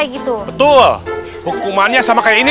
ustadzah gak suka ya kamu kayak gini